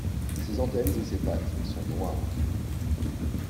Ses antennes et ses pattes sont noires.